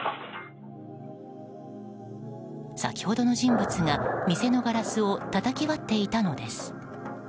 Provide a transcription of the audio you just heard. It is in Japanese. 先ほどの人物が店のガラスをたたき割っていたのです。